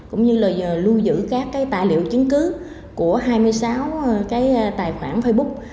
cũng như lưu giữ các tài liệu chứng cứ của hai mươi sáu tài khoản facebook